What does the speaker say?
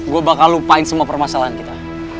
gue bakal lupain semua permasalahan kita